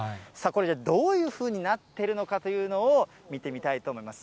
これ、じゃあ、どういうふうになっているのかというのを見てみたいと思います。